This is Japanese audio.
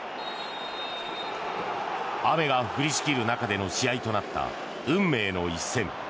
雨が降りしきる中での試合となった運命の一戦。